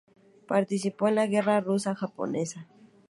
Participó en la Guerra Ruso-Japonesa.